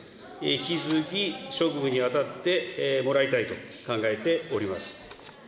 引き続き、職務に当たってもらいたいと考えております。